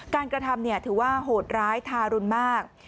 กระทำถือว่าโหดร้ายทารุณมาก